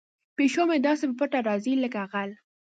پیشو مې داسې په پټه راځي لکه غل.